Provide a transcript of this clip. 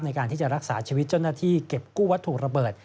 ในการที่จะรักษาชีวิตเจ้าหน้าที่เก็บกู้วัตถุระเบิด